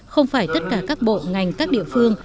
không phải tất cả các bộ ngành các địa phương